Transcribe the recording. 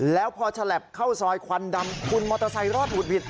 แล้วพอฉลับเข้าซอยควันดำคุณมอเตอร์ไซค์รอดหุดหวิด